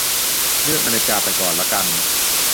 เลือกนาฬิกาไปก่อนละกัน